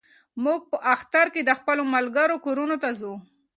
موږ په اختر کې د خپلو ملګرو کورونو ته ځو.